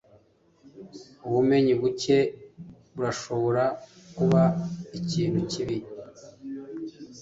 Ubumenyi buke burashobora kuba ikintu kibi.